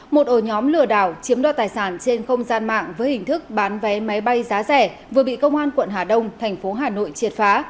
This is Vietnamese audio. một ổ nhóm lừa đảo chiếm đoạt tài sản trên không gian mạng với hình thức bán vé máy bay giá rẻ vừa bị công an quận hà đông thành phố hà nội triệt phá